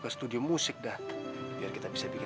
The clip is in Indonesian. siti juga kangen banget sama abang